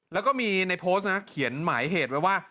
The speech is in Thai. แล้วก็มีในโพสต์นะเขียนหมายเหตุไว้ว่า